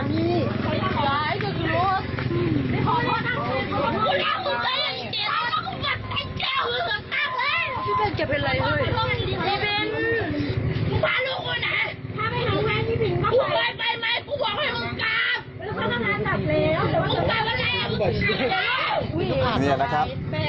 ไม่แล้วครับ